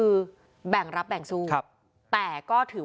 เพราะว่าพ่อมีสองอารมณ์ความรู้สึกดีใจที่เจอพ่อแล้ว